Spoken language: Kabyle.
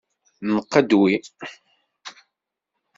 Nqedwi.